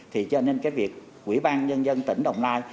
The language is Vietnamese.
thì cho nên cái việc quỹ ban dân dân tỉnh đồng nai